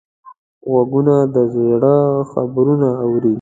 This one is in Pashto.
غوږونه د زړه خبرونه اوري